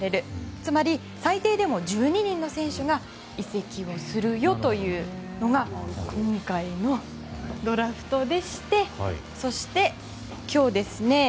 つまり、最低でも１２人の選手が移籍をするよというのが今回のドラフトでしてそして、今日ですね